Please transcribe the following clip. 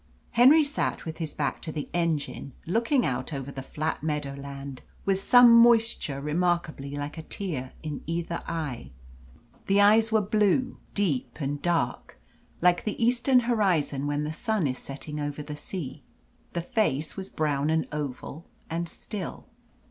Henry sat with his back to the engine, looking out over the flat meadow land, with some moisture remarkably like a tear in either eye. The eyes were blue, deep, and dark like the eastern horizon when the sun is setting over the sea. The face was brown, and oval, and still.